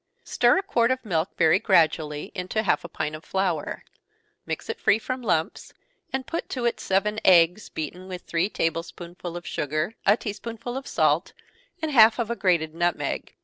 _ Stir a quart of milk very gradually into half a pint of flour mix it free from lumps, and put to it seven eggs, beaten with three table spoonsful of sugar, a tea spoonful of salt, and half of a grated nutmeg.